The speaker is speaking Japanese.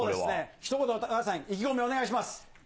ひと言、高橋さん、意気込みお願いします。